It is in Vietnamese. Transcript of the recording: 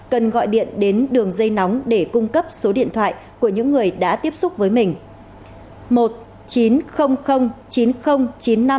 cần gọi điện đến đường dây nóng để cung cấp số điện thoại của những người đã tiếp xúc với mình